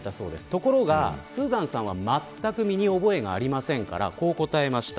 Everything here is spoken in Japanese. ところがスーザンさんはまったく身に覚えがありませんからこう答えました。